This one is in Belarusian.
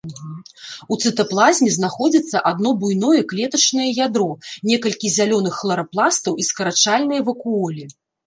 У цытаплазме знаходзіцца адно буйное клетачнае ядро, некалькі зялёных хларапластаў і скарачальныя вакуолі.